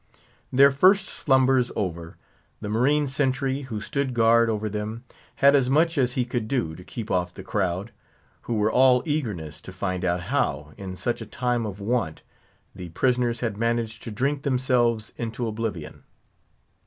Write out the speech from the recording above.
Their first slumbers over, the marine sentry who stood guard over them had as much as he could do to keep off the crowd, who were all eagerness to find out how, in such a time of want, the prisoners had managed to drink themselves into oblivion.